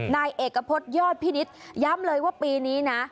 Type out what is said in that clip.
นายเอกพฤษยอดพินิษฐ์ย้ำเลยว่าปีนี้นะ